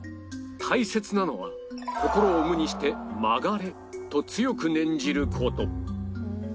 大切なのは心を無にして「曲がれ」と強く念じる事